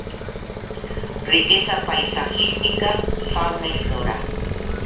Riqueza paisajística, fauna y flora.